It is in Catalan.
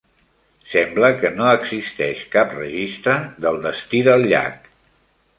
Sembla que no existeix cap registre del destí del llac.